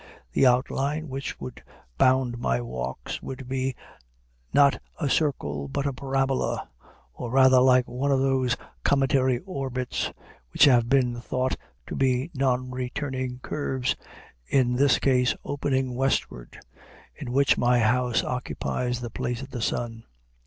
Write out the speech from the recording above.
The outline which would bound my walks would be, not a circle, but a parabola, or rather like one of those cometary orbits which have been thought to be non returning curves, in this case opening westward, in which my house occupies the place of the sun.